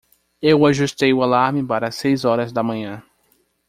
Eu ajustei o alarme para as seis horas da manhã.